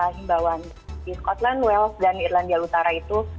sembahwan di scotland wales dan irlandia utara itu